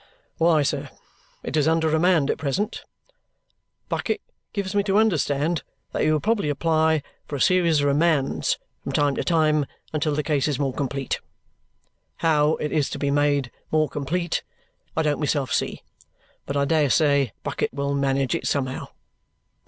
"Why, sir, it is under remand at present. Bucket gives me to understand that he will probably apply for a series of remands from time to time until the case is more complete. How it is to be made more complete I don't myself see, but I dare say Bucket will manage it somehow."